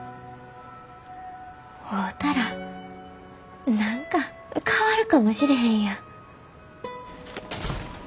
会うたら何か変わるかもしれへんやん。